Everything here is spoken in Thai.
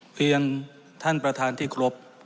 เพียงท่านประธานที่ครบ